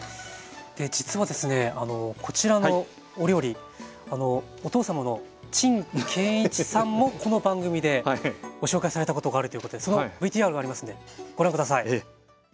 実はですねこちらのお料理お父様の陳建一さんもこの番組でご紹介されたことがあるということでそのＶＴＲがありますのでご覧下さい。